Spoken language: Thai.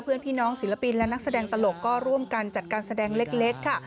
เพื่อนพี่น้องศิลปินและนักแสดงตลกก็ร่วมกันจัดการแสดงเล็กค่ะ